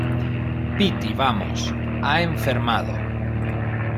piti, vamos. ha enfermado.